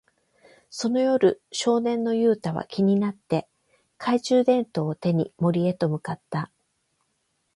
その夜、少年のユウタは気になって、懐中電灯を手に森へと向かった。